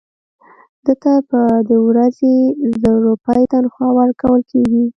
ده ته به د ورځې زر روپۍ تنخوا ورکول کېږي.